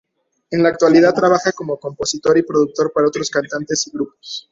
En la actualidad trabaja como compositor y productor para otros cantantes y grupos.